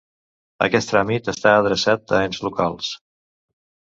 Aquest tràmit està adreçat a ens locals.